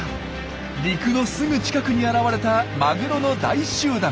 陸のすぐ近くに現れたマグロの大集団。